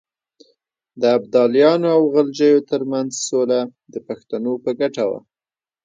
د ابدالیانو او غلجیو ترمنځ سوله د پښتنو په ګټه وه.